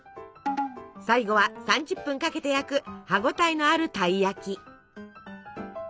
最後は３０分かけて焼く歯ごたえのあるたい焼き。